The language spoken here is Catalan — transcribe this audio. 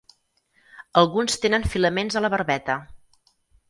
Alguns tenen filaments a la barbeta.